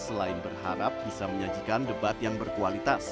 selain berharap bisa menyajikan debat yang berkualitas